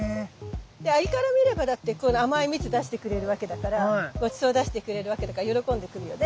アリから見ればだってこの甘い蜜出してくれるわけだからごちそう出してくれるわけだから喜んで来るよね。